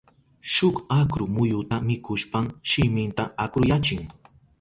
Shuk akru muyuta mikushpan shiminta akruyachin.